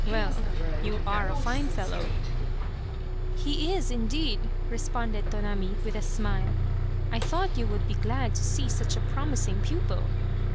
Well, you are a fine fellow !"" He is, indeed," responded Tonami, with a smile. " I thought you would be glad to see such a promising pupil."